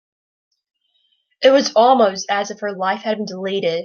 It was almost as if her life had been deleted.